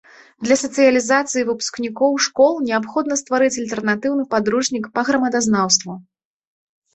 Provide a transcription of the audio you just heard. Для сацыялізацыі выпускнікоў школ неабходна стварыць альтэрнатыўны падручнік па грамадазнаўству.